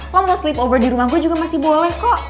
lo mau sleep over di rumah gue juga masih boleh kok